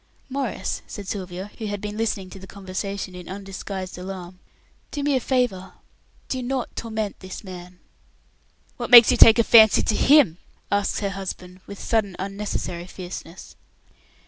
"Maurice," said Sylvia, who had been listening to the conversation in undisguised alarm, "do me a favour? Do not torment this man." "What makes you take a fancy to him?" asks her husband, with sudden unnecessary fierceness.